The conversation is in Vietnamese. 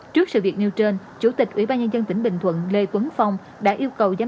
trước sự việc nêu trên chủ tịch ủy ban nhân dân tỉnh bình thuận lê tuấn phong đã yêu cầu giám